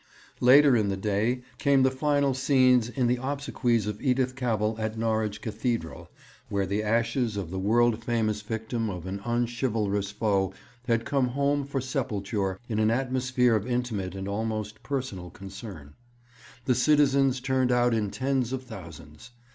Later in the day came the final scenes in the obsequies of Edith Cavell at Norwich Cathedral, where the ashes of the world famous victim of an unchivalrous foe had come home for sepulture in an atmosphere of intimate and almost personal concern. The citizens turned out in tens of thousands.